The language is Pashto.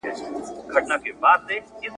ړوند اوکوڼ سي له نېکیه یې زړه تور سي ,